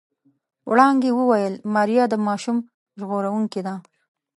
وړانګې وويل ماريا د ماشوم ژغورونکې ده.